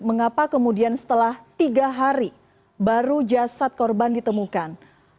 mengapa kemudian setelah tiga hari baru jasad korban ditemukan